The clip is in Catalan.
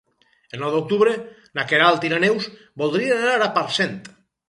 El nou d'octubre na Queralt i na Neus voldrien anar a Parcent.